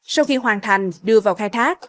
sau khi hoàn thành đưa vào khai thác